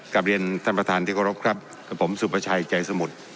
กลับเรียนท่านประธานที่เคารพครับกับผมสุประชัยใจสมุทร